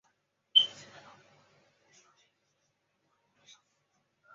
现属于巴林南方省管辖。